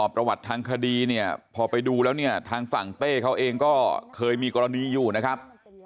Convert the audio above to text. ประวัติทางคดีเนี่ยพอไปดูแล้วเนี่ยทางฝั่งเต้เขาเองก็เคยมีกรณีอยู่นะครับ